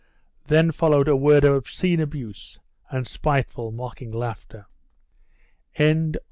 Then followed a word of obscene abuse, and spiteful, mocking laughter. CHAPTER X.